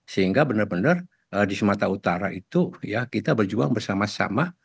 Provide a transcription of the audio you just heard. sehingga benar benar di sumatera utara itu ya kita berjuang bersama sama